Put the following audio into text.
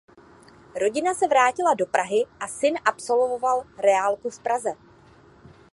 Rodina se vrátila do Prahy a syn absolvoval reálku v Praze.